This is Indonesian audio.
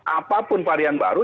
apapun varian baru